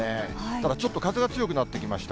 ただちょっと風が強くなってきました。